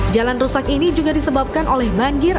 jalan rusak ini juga disebabkan oleh banjir